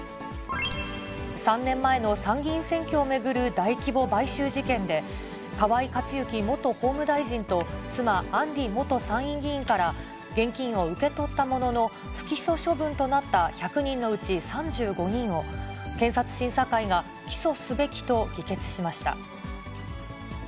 ３年前の参議院選挙を巡る大規模買収事件で、河井克行元法務大臣と妻、案里元参院議員から、現金を受け取ったものの不起訴処分となった１００人のうち３５人を、検察審査会が起訴すべきと議決しました。